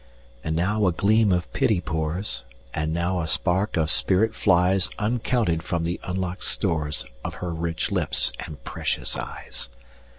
And now a gleam of pity pours, And now a spark of spirit flies, Uncounted, from the unlock'd storesOf her rich lips and precious eyes.